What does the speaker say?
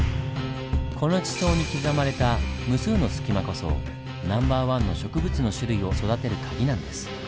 この地層に刻まれた無数の隙間こそナンバーワンの植物の種類を育てる鍵なんです。